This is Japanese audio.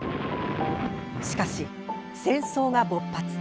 しかし、戦争が勃発。